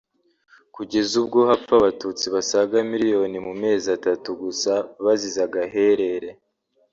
kugeza ubwo hapfa Abatutsi basaga miliyoni mu mezi atatu gusa bazize agaherere